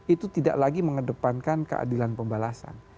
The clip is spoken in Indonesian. itu tidak lagi mengedepankan keadilan pembalasan